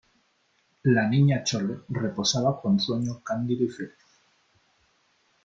la niña Chole reposaba con sueño cándido y feliz :